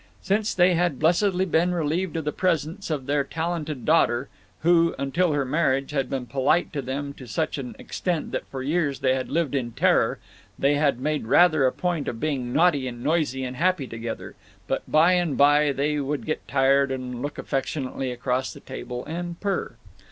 Since they had blessedly been relieved of the presence of their talented daughter, who, until her marriage, had been polite to them to such an extent that for years they had lived in terror, they had made rather a point of being naughty and noisy and happy together, but by and by they would get tired and look affectionately across the table and purr.